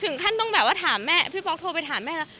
ถึงขั้นต้องแบบว่าถามแม่พี่ป๊อกโทรไปถามแม่แล้ว